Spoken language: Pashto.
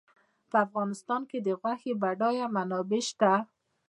په افغانستان کې د غوښې بډایه منابع شته.